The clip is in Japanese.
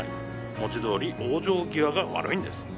文字どおり、往生際が悪いんです。